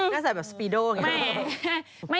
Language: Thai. ก็ใส่แบบสปีโดอย่างนี้